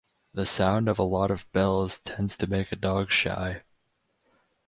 The sound of a lot of bells tends to make a dog shy.